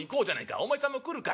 お前さんも来るかい？